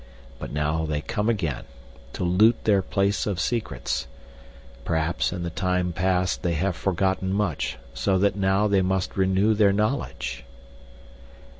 But now they come again to loot their place of secrets Perhaps in the time past they have forgotten much so that now they must renew their knowledge."